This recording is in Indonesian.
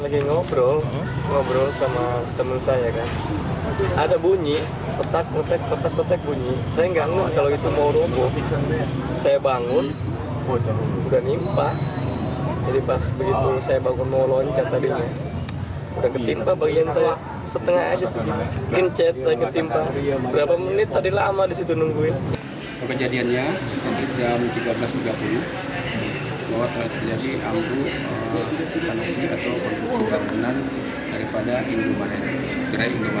kejadiannya sampai jam tiga belas tiga puluh keluar terjadi angkuh kanopi atau penyumbang benar daripada gerai indomaret yang terdekat di samping kawasan warung gunung